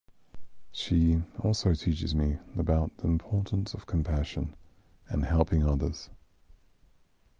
She also teaches me about the importance of compassion and helping others.